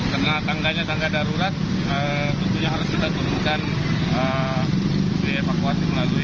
karena tangganya tangga darurat tentunya harus kita turunkan dievakuasi melalui